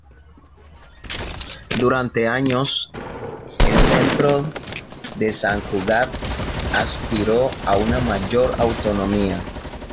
Durante años, el centro de San Cugat aspiró a una mayor autonomía.